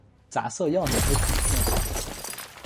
杂色耀鲇的图片